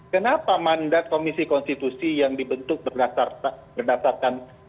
kenapa mandat komisi konstitusi yang dibentuk berdasarkan